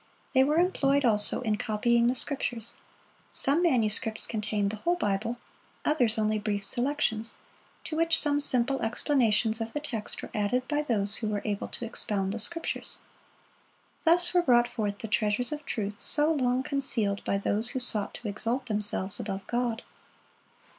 They were employed also in copying the Scriptures. Some manuscripts contained the whole Bible, others only brief selections, to which some simple explanations of the text were added by those who were able to expound the Scriptures. Thus were brought forth the treasures of truth so long concealed by those who sought to exalt themselves above God.